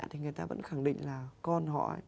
thì người ta vẫn khẳng định là con họ